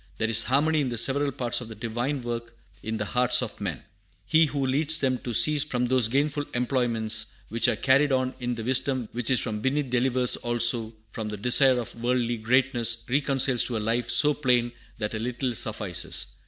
"There is harmony in the several parts of the Divine work in the hearts of men. He who leads them to cease from those gainful employments which are carried on in the wisdom which is from beneath delivers also from the desire of worldly greatness, and reconciles to a life so plain that a little suffices."